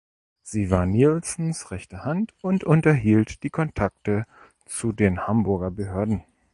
Sie war Nielsens „rechte Hand“ und unterhielt die Kontakte zu den Hamburger Behörden.